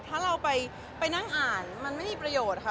ถ้าเราไปนั่งอ่านมันไม่มีประโยชน์ค่ะ